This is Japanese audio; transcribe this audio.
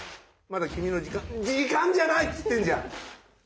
まだ君の時間時間じゃないっつってんじゃん。